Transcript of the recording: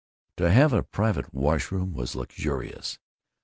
To have a private washroom was luxurious.